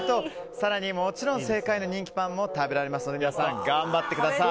更にもちろん正解の人気パンも食べられますので皆さん頑張ってください。